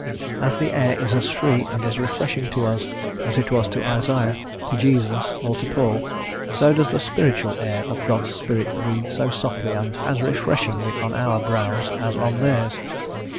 As the air is as free and as refreshing to us as it was to Isaiah, to Jesus, or to Paul, so does the spiritual air of God's Spirit breathe so softly and as refreshingly on our brows as on theirs.